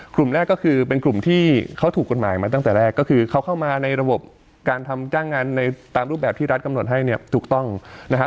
กลุ่มแรกก็คือเป็นกลุ่มที่เขาถูกกฎหมายมาตั้งแต่แรกก็คือเขาเข้ามาในระบบการทำจ้างงานในตามรูปแบบที่รัฐกำหนดให้เนี่ยถูกต้องนะครับ